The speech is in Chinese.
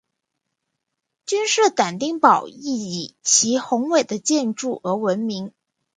君士坦丁堡亦以其宏伟的建筑而闻名。